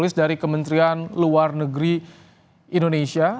rilis dari kementerian luar negeri indonesia